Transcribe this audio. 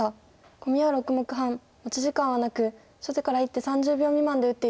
コミは６目半持ち時間はなく初手から１手３０秒未満で打って頂きます。